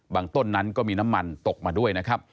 ต้นนั้นก็มีน้ำมันตกมาด้วยนะครับ